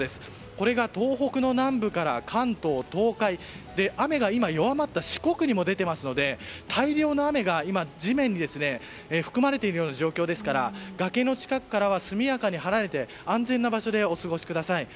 これが東北の南部から関東、東海雨が今、弱まった四国にも出ていますので大量の雨が地面に含まれている状況ですから崖の近くからは速やかに離れて安全な場所でお過ごしください。